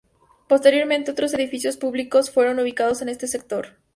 Posteriormente, otros edificios públicos fueron ubicados en ese sector.